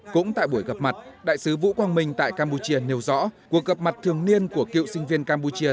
cũng tại buổi gặp mặt đại sứ vũ quang minh tại campuchia nêu rõ cuộc gặp mặt thường niên của cựu sinh viên campuchia